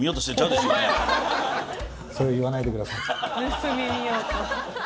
盗み見ようと。